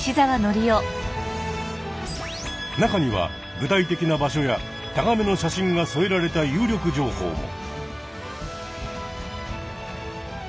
中には具体的な場所やタガメの写真がそえられた有力情報も。